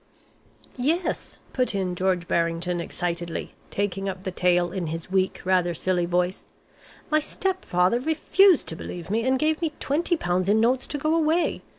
"Yes," put in George Barrington, excitedly, taking up the tale in his weak, rather silly voice, "my step father refused to believe me, and gave me £20 in notes to go away.